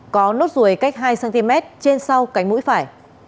có nốt ruồi cách hai cm trên sau cánh mũi phải